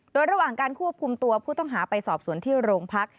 โดยระหว่างการควบคุมตัวผู้ต้องหาไปสอบสวนที่โรงพัก